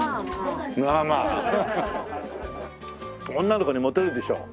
女の子にモテるでしょ？